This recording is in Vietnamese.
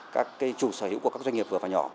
các chủ sở hữu của các doanh nghiệp vừa và nhỏ